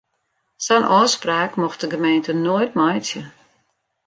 Sa'n ôfspraak mocht de gemeente noait meitsje.